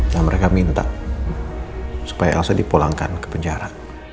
dan mereka minta supaya elsa dipulangkan ke penjara